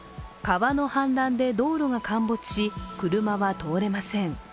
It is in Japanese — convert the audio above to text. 川の氾濫で道路が陥没し、車は通れません。